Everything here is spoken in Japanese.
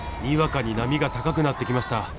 にわかに波が高くなってきました。